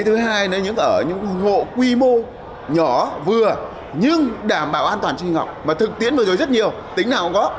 thứ hai là ở những ngộ quy mô nhỏ vừa nhưng đảm bảo an toàn sinh học mà thực tiễn vừa rồi rất nhiều tính nào cũng có